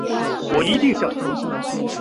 我一定向你说明